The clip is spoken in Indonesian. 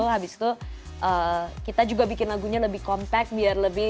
habis itu kita juga bikin lagunya lebih compact biar lebih